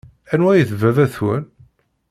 Anwa ay d baba-twen?